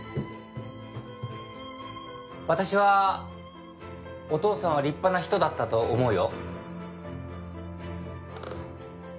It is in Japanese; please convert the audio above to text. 私はお父さんは立派な人だったと思うよ。